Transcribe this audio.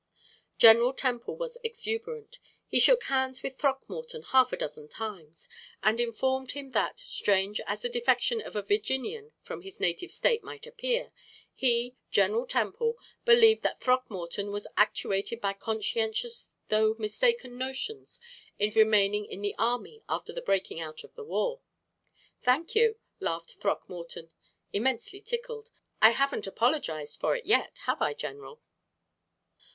General Temple was exuberant. He shook hands with Throckmorton half a dozen times, and informed him that, strange as the defection of a Virginian from his native State might appear, he, General Temple, believed that Throckmorton was actuated by conscientious though mistaken notions in remaining in the army after the breaking out of the war. "Thank you," laughed Throckmorton, immensely tickled; "I haven't apologized for it yet, have I, general?"